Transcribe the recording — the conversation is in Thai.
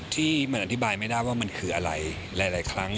ที่มันอธิบายไม่ได้ว่ามันคืออะไรหลายครั้ง